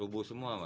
rubuh semua pak ya